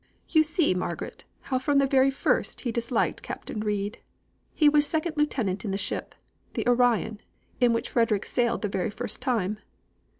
"You see, Margaret, how from the very first he disliked Captain Reid. He was second lieutenant in the ship the Orion in which Frederick sailed the very first time.